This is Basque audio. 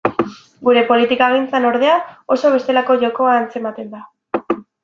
Gure politikagintzan, ordea, oso bestelako jokoa antzematen da.